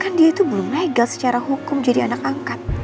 karena dia itu belum legal secara hukum jadi anak angkat